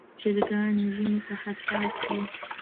چرګان ژمي ته حساس دي.